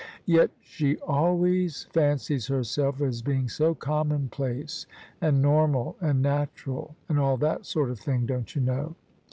" Yet she always fancies herself as being so commonplace and normal and natural, and all that sort of thing, don't you know?"